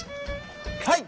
はい！